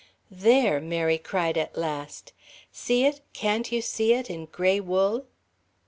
"There!" Mary cried at last. "See it can't you see it? in gray wool?"